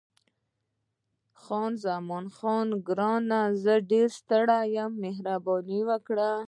خان زمان: ګرانه، زه ډېره ستړې یم، مهرباني وکړه.